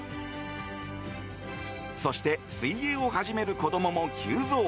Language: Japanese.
そして水泳を始める子供も急増。